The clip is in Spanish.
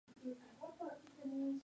Mitre, Av.